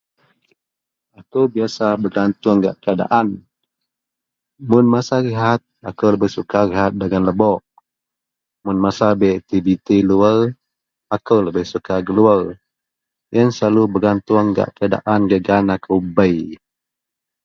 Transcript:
Akou biyasa begatuong gak keadaan. Mun masa rihat, akou lebeh suka rihat dagen lebok, mun masa bei aktiviti luwer, akou suka gak luwer. Yen selalu begatuong gak keadaan gak gaan akou bei.